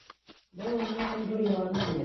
Был уның өсөн ҙур йыуаныс ине.